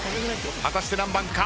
果たして何番か？